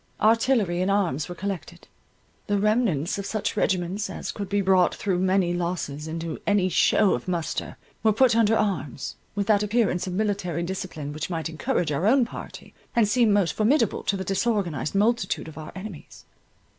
Artillery and arms were collected; the remnants of such regiments, as could be brought through many losses into any show of muster, were put under arms, with that appearance of military discipline which might encourage our own party, and seem most formidable to the disorganized multitude of our enemies.